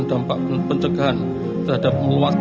dampak pencegahan terhadap